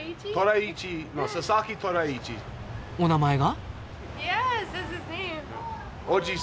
お名前が？